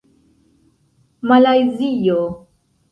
malajzio